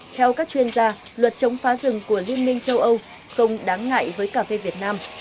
theo các chuyên gia luật chống phá rừng của liên minh châu âu không đáng ngại với cà phê việt nam